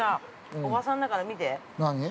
おばさんだから見て。